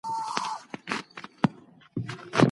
که پوهنه نه وي تياره خپرېږي.